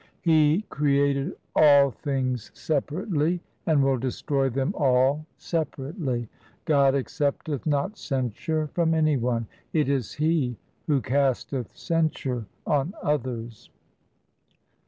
3io THE SIKH RELIGION He created all things separately, And will destroy them all separately. God accepteth not censure from any one ; 1 It is He who casteth censure on others.